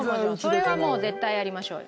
それはもう絶対やりましょうよ。